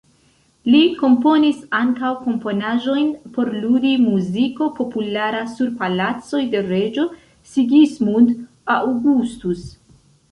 Li komponis ankaŭ komponaĵojn por ludi, muziko populara sur palacoj de reĝo Sigismund Augustus.